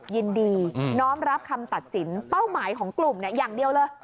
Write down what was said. ยินดีน้อมรับคำตัดสินเป้าหมายของกลุ่มอย่างเดียวเลย